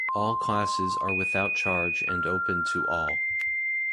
All classes are without charge and open to all.